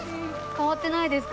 変わってないですか？